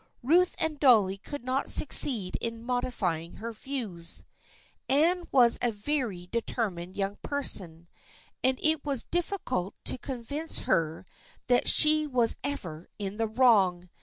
Ruth and Dolly could not succeed in modifying her views. Anne was a very deter mined young person, and it was difficult to con vince her that she was ever in the wrong.